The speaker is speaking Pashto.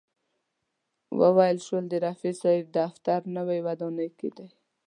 ویل شول د رفیع صاحب دفتر نوې ودانۍ کې دی.